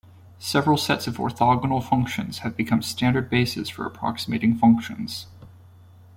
Several sets of orthogonal functions have become standard bases for approximating functions.